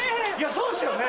そうですよね。